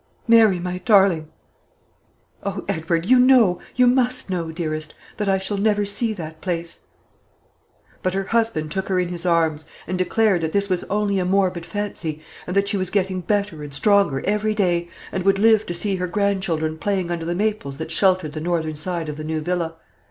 "Mary, my darling " "O Edward! you know, you must know, dearest, that I shall never see that place?" But her husband took her in his arms, and declared that this was only a morbid fancy, and that she was getting better and stronger every day, and would live to see her grandchildren playing under the maples that sheltered the northern side of the new villa.